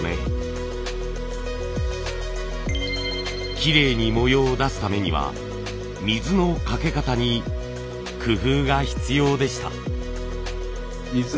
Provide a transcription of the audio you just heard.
きれいに模様を出すためには水のかけ方に工夫が必要でした。